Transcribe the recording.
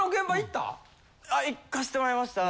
あ行かせてもらいました。